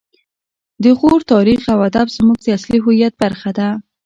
د غور تاریخ او ادب زموږ د اصلي هویت برخه ده